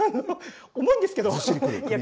重いんですけど。